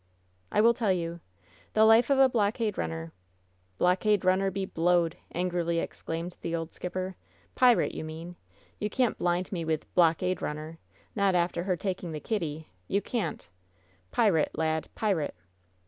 "I will tell you. The life of a blockade runner *' "Blockade runner be blowed!" angrily exclaimed the old skipper. "Pirate, you mean! You can't blind me with — blockade runner ! Not after her taking the Kitty, you can't! Pirate, lad — pirate!"